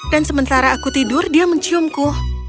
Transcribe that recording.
dan sementara aku tidur dia menciumku